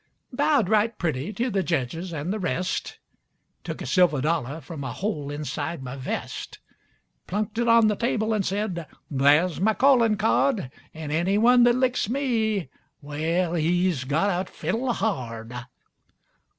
Bowed right pretty to the jedges an' the rest, Took a silver dollar from a hole inside my vest, Plunked it on the table an' said, 'There's my callin' card! An' anyone that licks me well, he's got to fiddle hard!'